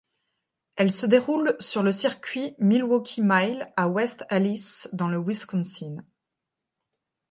Elle se déroule sur le circuit Milwaukee Mile à West Allis dans le Wisconsin.